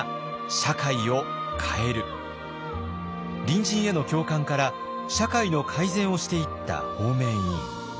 隣人への共感から社会の改善をしていった方面委員。